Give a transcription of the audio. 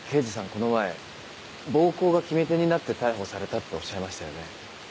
この前「暴行が決め手になって逮捕された」っておっしゃいましたよね。